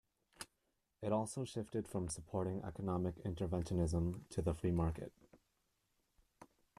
It also shifted from supporting economic interventionism to the free market.